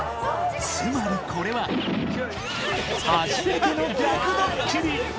つまりこれは、初めての逆どっきり！